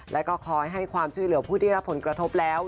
แล้วก็คอยให้ความช่วยเหลือผู้ที่รับผลกระทบแล้ว